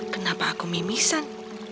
kenapa aku mimisan